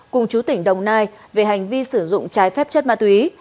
cùng chú tỉnh đồng nai về hành vi sử dụng trái phép chất ma túy